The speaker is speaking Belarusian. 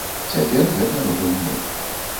Цяпер гэта робім мы.